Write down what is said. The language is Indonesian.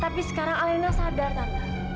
tapi sekarang alena sadar tante